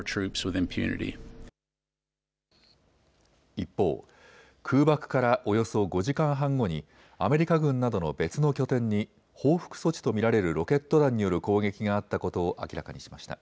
一方、空爆からおよそ５時間半後にアメリカ軍などの別の拠点に報復措置と見られるロケット弾による攻撃があったことを明らかにしました。